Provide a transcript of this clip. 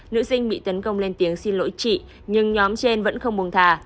nữ sinh bị tấn công lên tiếng xin lỗi chị nhưng nhóm trên vẫn không buồng thà